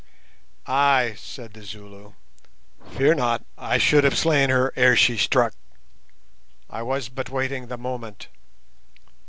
"Ay," said the Zulu. "Fear not; I should have slain her ere she struck. I was but waiting the moment."